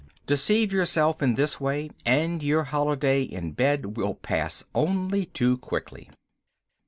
Deceive yourself in this way, and your holiday in bed will pass only too quickly.